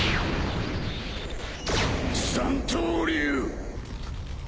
三刀流